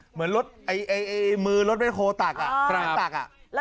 เหมือนรถมือรถเบ้นโคตรตักอ่ะ